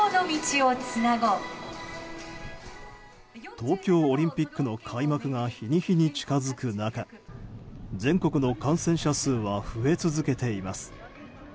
東京オリンピックの開幕が日に日に近づく中全国の感染者数は増え続けています。